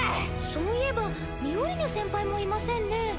そういえばミオリネ先輩もいませんね。